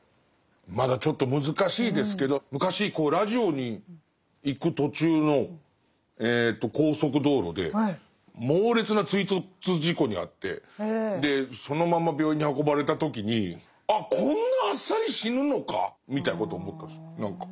まだちょっと難しいですけど昔ラジオに行く途中の高速道路で猛烈な追突事故に遭ってでそのまま病院に運ばれた時にあこんなあっさり死ぬのかみたいなことを思ったんです何か。